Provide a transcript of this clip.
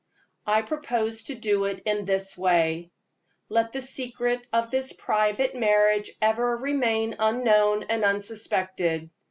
I propose to do it in this way: Let the secret of this private marriage ever remain unknown and unsuspected.